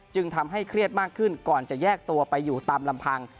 จึงทำให้เครียดมากขึ้นก่อนจะแยกตัวไปอยู่ตามลำพัง